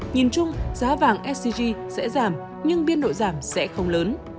nhìn chung giá vàng scg sẽ giảm nhưng biên độ giảm sẽ không lớn